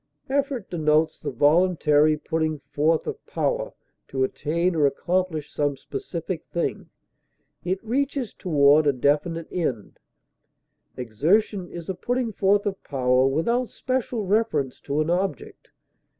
Effort denotes the voluntary putting forth of power to attain or accomplish some specific thing; it reaches toward a definite end; exertion is a putting forth of power without special reference to an object.